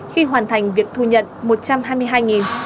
khi hoàn thành việc thu nhận